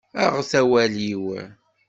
Aɣet awal-iw!